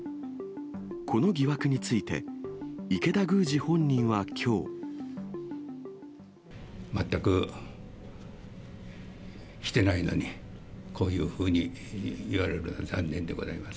この疑惑について、池田宮司本人はきょう。全くしてないのに、こういうふうに言われるのは残念でございます。